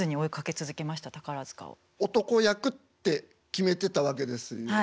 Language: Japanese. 男役って決めてたわけですよね。